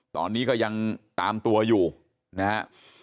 ตอนนี้ก็ยังตามตัวอยู่นะฮะ